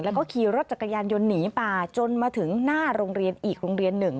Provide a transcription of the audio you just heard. แล้วก็ขี่รถจักรยานยนต์หนีมาจนมาถึงหน้าโรงเรียนอีกโรงเรียนหนึ่ง